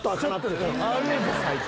あれが最高！